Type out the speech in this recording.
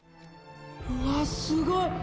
うわすごい！